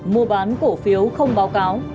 mua bán cổ phiếu không báo cáo